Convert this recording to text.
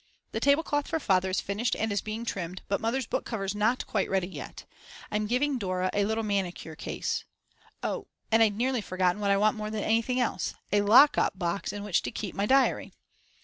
The tablecloth for Father is finished and is being trimmed, but Mother's book cover is not quite ready yet. I'm giving Dora a little manicure case. Oh, and I'd nearly forgotten what I want more than anything else, a lock up box in which to keep my diary.